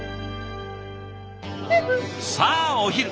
さあお昼。